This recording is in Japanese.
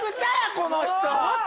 この人。